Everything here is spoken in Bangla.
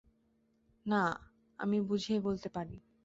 না, আমি বুঝিয়ে বলতে পারি!